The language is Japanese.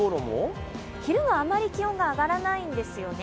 昼はあんまり気温が上がらないんですよね。